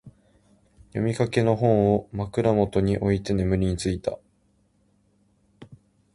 読みかけの本を、枕元に置いて眠りについた。